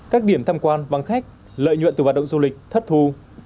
các điểm tham quan vắng khách lợi nhuận từ hoạt động du lịch thất thu